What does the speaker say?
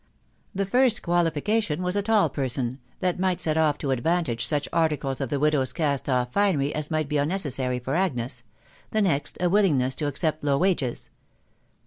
The first qualification was a tall person, that might set off to advantage such articles of the widow's cast off finery as might be unnecessary for Agnes ; the next, a willingness to accept low wages.